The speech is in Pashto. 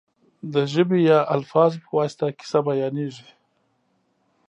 د ژبې یا الفاظو په واسطه کیسه بیانېږي.